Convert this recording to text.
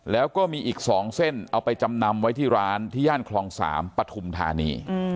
แล้วก็มีอีก๒เส้นเอาไปจำนำไว้ที่ร้านที่ย่านคลอง๓ปฐุมธานี